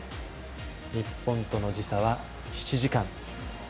日本との時差は７時間。